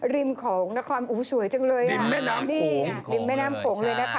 ริมของสวยจังเลยริมแม่น้ำโขง